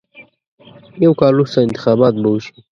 یو کال وروسته انتخابات به وشي.